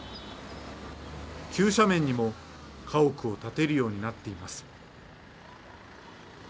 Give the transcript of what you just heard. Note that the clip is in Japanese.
急斜面にも家屋を建てるようになっています。